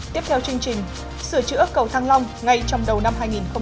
tiếp theo chương trình sửa chữa cầu thăng long ngay trong đầu năm hai nghìn hai mươi